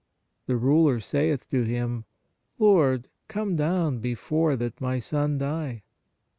The ruler saith to Him: Lord, come down before that my son die.